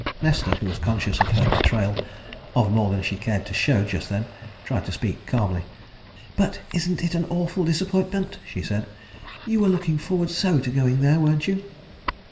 Nesta, who was conscious of her betrayal of more than she cared to show just then, tried to speak calmly. "But isn't it an awful disappointment?" she said. "You were looking forward so to going there, weren't you?"